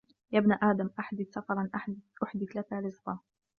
يَا ابْنَ آدَمَ أَحْدِثْ سَفَرًا أُحْدِثُ لَك رِزْقًا